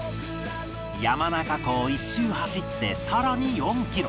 山中湖を一周走ってさらに４キロ